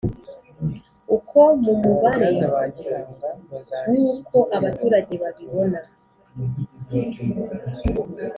uko mumubare wuko abaturage babibona